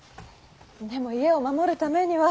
でも家を守るためには。